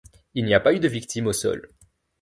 Il n'y a pas eu de victimes au sol.